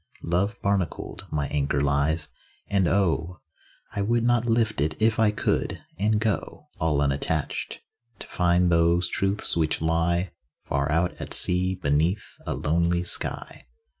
Love barnacled, my anchor lies; and oh! I would not lift it if I could, and go All unattached, to find those truths which lie Far out at sea, beneath a lonely sky.